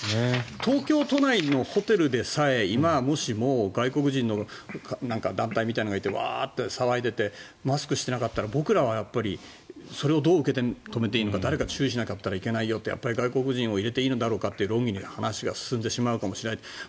東京都内のホテルでさえ今もし外国人の団体みたいなのがいてワーッと騒いでいてマスクしてなかったら僕らはやっぱりそれをどう受け止めていいのか誰か注意しなかったらいけないよって外国人を受け入れていいのかって論議に話が進んでしまうかもしれない。